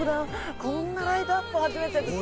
こんなライトアップ初めてです！